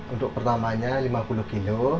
untuk pertamanya lima puluh kilo